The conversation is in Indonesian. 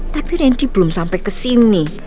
tapi rendy belum sampai kesini